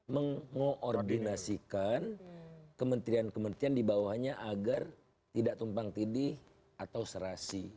mengoordinasikan kementerian kementerian di bawahnya agar tidak tumpang tidi atau serasi